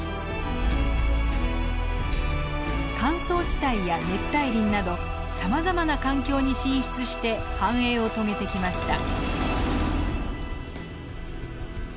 乾燥地帯や熱帯林などさまざまな環境に進出して繁栄を遂げてきました。